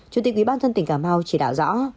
chủ tịch quỹ ban dân tỉnh cà mau chỉ đạo rõ